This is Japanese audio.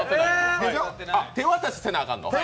手渡しせなあかんの？